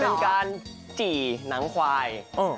เป็นการจี่หนังควาย